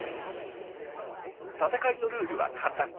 戦いのルールは簡単。